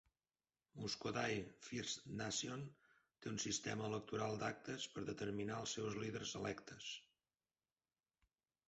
Muskoday First Nation té un sistema electoral d'actes per determinar els seus líders electes.